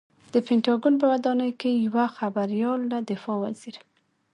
د پنټاګون په ودانۍ کې یوه خبریال له دفاع وزیر